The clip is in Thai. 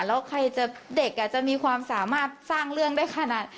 แล้วใครจะเด็กจะมีความสามารถสร้างเรื่องได้ขนาด